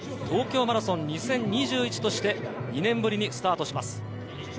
東京マラソン２０２１として２年ぶりにスタートします。